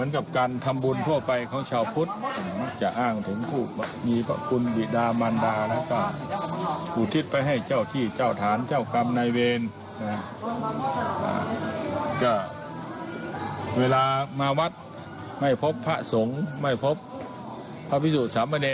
ค่าน้ำค่าไฝของวัดนั่นเองค่ะ